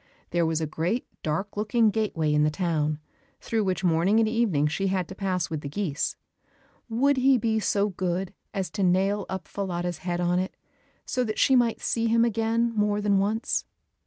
There was a great dark looking gateway in the town, through which morning and evening she had to pass with the geese: would he be so good as to nail up Falada's head on it, so that she might see him again, more than once.